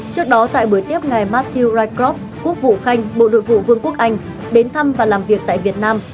trước đó tại buổi tiếp ngày matthew rycroft quốc vụ khanh bộ đội vụ vương quốc anh đến thăm và làm việc tại việt nam